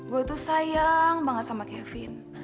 gue tuh sayang banget sama kevin